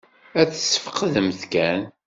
Ad tesfeqdemt kan.